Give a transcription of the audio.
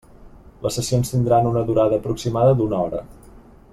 Les sessions tindran una durada aproximada d'una hora.